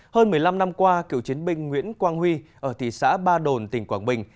hơn một mươi năm năm qua cựu chiến binh nguyễn quang huy ở thị xã ba đồn tỉnh quảng bình